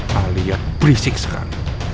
kalian berisik sekarang